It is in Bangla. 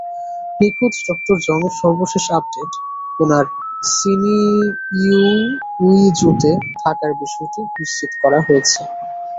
নিখোঁজ ডক্টর জং-এর সর্বশেষ আপডেট, উনার সিনিউইজুতে থাকার বিষয়টি নিশ্চিত করা হয়েছে।